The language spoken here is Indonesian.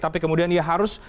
tapi kemudian ia harus